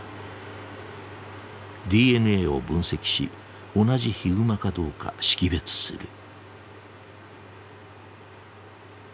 ＤＮＡを分析し同じヒグマかどうか識別する。